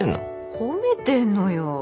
褒めてんのよ。